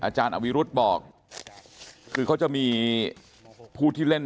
คุณยายบอกว่ารู้สึกเหมือนใครมายืนอยู่ข้างหลัง